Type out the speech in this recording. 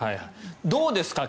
どうですか？